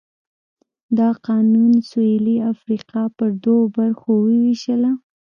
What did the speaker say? دا قانون سوېلي افریقا پر دوو برخو ووېشله.